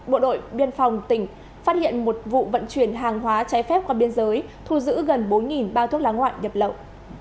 bộ đội biên phòng tỉnh phát hiện một vụ vận chuyển hàng hóa trái phép qua biên giới thu giữ gần bốn bao thuốc lá ngoại nhập lậu